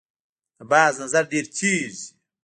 د باز نظر ډیر تېز وي